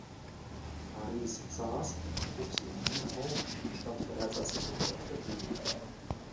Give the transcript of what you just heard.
Aris Sas wuchs in Wien auf und stand bereits als Kind auf der Bühne.